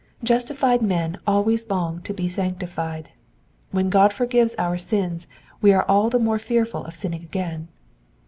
Justified men ^ways long to be sanctified. When God foi gives our sins we are all the more fearful of sinning again.